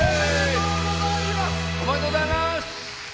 おめでとうございます！